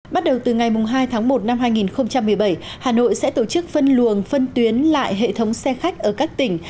bắt đầu từ ngày hai tháng một năm hai nghìn một mươi bảy hà nội sẽ tổ chức phân luồng phân tuyến lại hệ thống xe khách ở các tỉnh